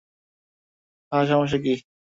হ্যাঁ, সমস্যা কী?